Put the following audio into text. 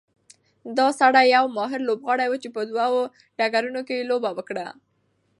دا سړی یو ماهر لوبغاړی و چې په دوه ډګرونو کې یې لوبه وکړه.